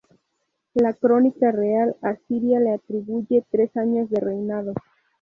La "Crónica real" asiria le atribuye tres años de reinado.